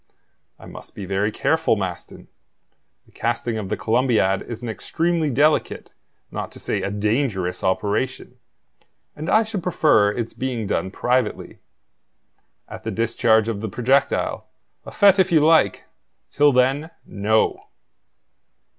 "I must be very careful, Maston. The casting of the Columbiad is an extremely delicate, not to say a dangerous operation, and I should prefer its being done privately. At the discharge of the projectile, a fete if you like—till then, no!"